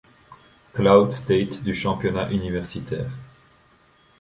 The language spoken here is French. Cloud State du championnat universitaire.